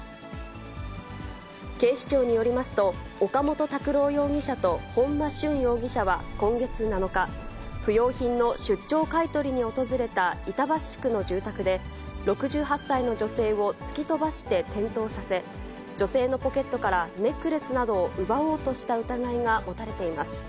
警視庁によりますと、岡本拓朗容疑者と本間駿容疑者は今月７日、不用品の出張買い取りに訪れた板橋区の住宅で、６８歳の女性を突き飛ばして転倒させ、女性のポケットからネックレスなどを奪おうとした疑いが持たれています。